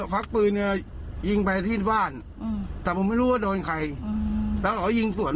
พักปืนยิงไปที่บ้านแต่ผมไม่รู้ว่าโดนใครแล้วเขายิงสวน